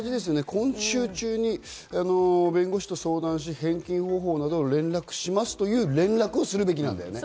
今週中に弁護士と相談し、返金方法などの連絡をしますという連絡をするべきなんだよね。